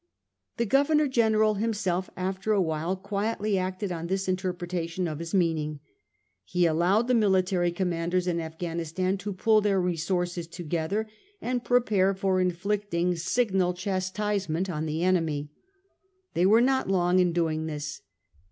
The Governor General himself after a while quietly acted on this interpretation of his meaning. He allowed the military commanders in Afghanistan to pull their resources together and prepare for inflict ing signal chastisement on the enemy. They were not long in doing this.